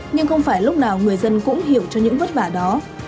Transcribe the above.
nhưng không phải lúc nào người dân cũng hiểu cho những vất vả đó